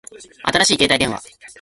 新しい携帯電話